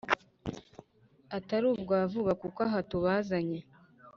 atari ubwa vuba kuko aha tubazanye